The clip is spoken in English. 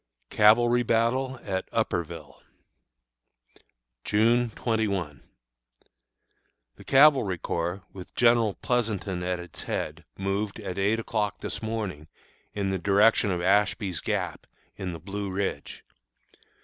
CAVALRY BATTLE AT UPPERVILLE. June 21. The Cavalry Corps, with General Pleasonton at its head, moved, at eight o'clock this morning, in the direction of Ashby's Gap, in the Blue Ridge.